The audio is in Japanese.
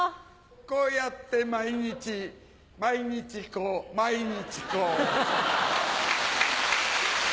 こうやって毎日毎日香毎日香。